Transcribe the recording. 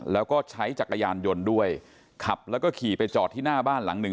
แล้วก็ใช้จักรยานยนต์ด้วยขับแล้วก็ขี่ไปจอดที่หน้าบ้านหลังหนึ่ง